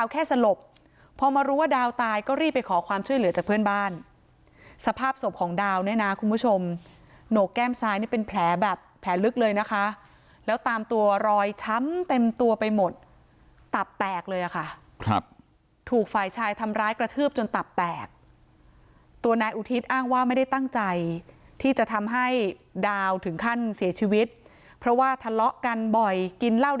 แค่สลบพอมารู้ว่าดาวตายก็รีบไปขอความช่วยเหลือจากเพื่อนบ้านสภาพศพของดาวเนี่ยนะคุณผู้ชมโหนกแก้มซ้ายนี่เป็นแผลแบบแผลลึกเลยนะคะแล้วตามตัวรอยช้ำเต็มตัวไปหมดตับแตกเลยค่ะครับถูกฝ่ายชายทำร้ายกระทืบจนตับแตกตัวนายอุทิศอ้างว่าไม่ได้ตั้งใจที่จะทำให้ดาวถึงขั้นเสียชีวิตเพราะว่าทะเลาะกันบ่อยกินเหล้า